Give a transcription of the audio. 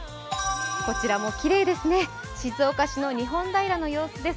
こちらもきれいですね、静岡市の日本平の様子です。